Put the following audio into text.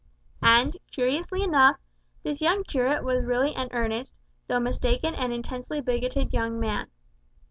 And, curiously enough, this young curate was really an earnest, though mistaken and intensely bigoted young man.